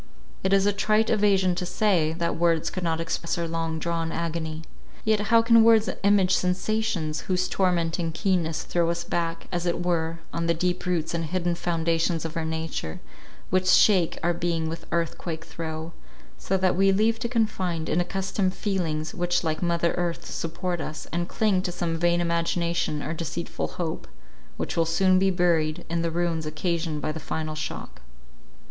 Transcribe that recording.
It is a trite evasion to say, that words could not express our long drawn agony; yet how can words image sensations, whose tormenting keenness throw us back, as it were, on the deep roots and hidden foundations of our nature, which shake our being with earth quake throe, so that we leave to confide in accustomed feelings which like mother earth support us, and cling to some vain imagination or deceitful hope, which will soon be buried in the ruins occasioned by the final shock.